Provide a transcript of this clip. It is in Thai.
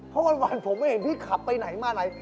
เพราะวันผมไม่เห็นพี่ขับไปไหนมาไหน